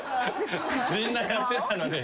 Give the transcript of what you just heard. みんなやってたのに。